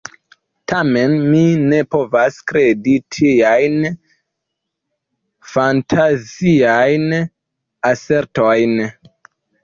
Tamen mi ne povas kredi tiajn fantaziajn asertojn.